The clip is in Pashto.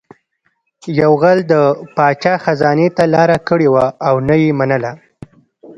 یو غل د پاچا خزانې ته لاره کړې وه او نه یې منله